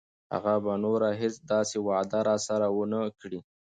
هغه به نوره هیڅ داسې وعده راسره ونه کړي.